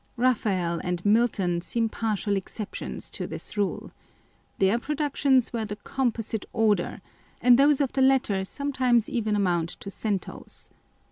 Eaphael and Milton seem partial exceptions to this rule. Their productions were the composite order ; and those of the latter sometimes even amount to centos.